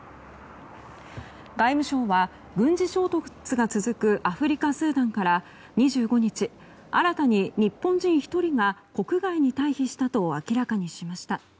外務省は、軍事衝突が続くアフリカ・スーダンから２５日、新たに日本人１人が国外に退避したと明らかにしました。